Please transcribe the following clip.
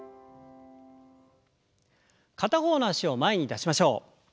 片方の脚を前に出しましょう。